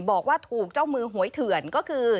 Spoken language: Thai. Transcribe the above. บอกว่าถูกเจ้ามือหวยเถื่อนก็คือ